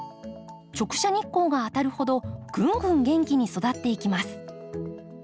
直射日光が当たるほどぐんぐん元気に育っていきます。